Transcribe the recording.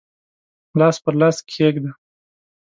لاس پر لاس کښېږده